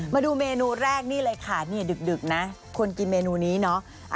มาดูเมนูแรกนี่เลยค่ะนี่ดึกนะควรกินเมนูนี้เนาะ